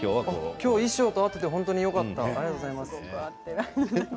今日は衣装と合っていて本当によかった。